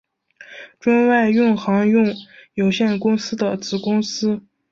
中外运航运有限公司的子公司。